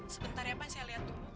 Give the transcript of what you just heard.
sebentar ya pak saya lihat dulu